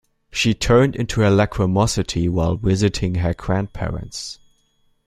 She turned into her lachrymosity while visiting her grandparents.